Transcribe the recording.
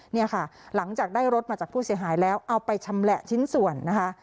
เนี่ยค่ะหลังจากได้รถมาจากผู้เสียหายแล้วเอาไปชำแหละชิ้นส่วนนะคะ